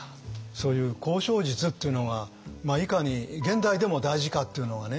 そういう交渉術っていうのがいかに現代でも大事かっていうのがね